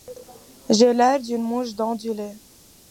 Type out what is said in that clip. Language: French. J'ai l'air d'une mouche dans du lait !